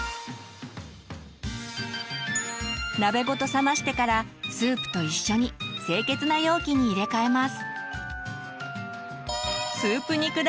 鍋ごと冷ましてからスープと一緒に清潔な容器に入れ替えます。